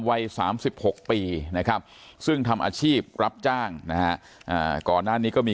วัย๓๖ปีนะครับซึ่งทำอาชีพรับจ้างนะฮะก่อนหน้านี้ก็มี